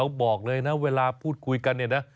บอกเลยนะเวลาพูดคุยกันเนี่ยนะ